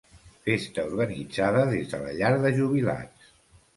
Festa organitzada des de la Llar de Jubilats.